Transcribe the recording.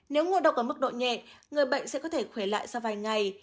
nếu ngộ độc ở mức độ nhẹ người bệnh sẽ có thể khỏe lại sau vài ngày